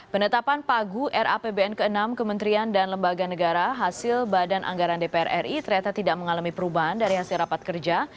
penetapan pagu rapbn ke enam kementerian dan lembaga negara hasil badan anggaran dpr ri ternyata tidak mengalami perubahan dari hasil rapat kerja